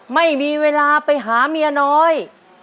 ไม่มีเวลาไปหาเมียน้อย